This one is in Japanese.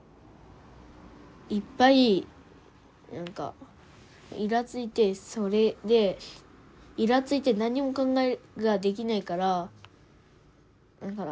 いっぱい何かイラついてそれでイラついて何にも考えができないからだから心もう何にも考えられなくて